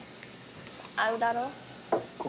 合うだろ？